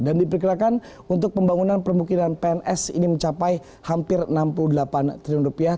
dan diperkirakan untuk pembangunan permukiman pns ini mencapai hampir enam puluh delapan triliun rupiah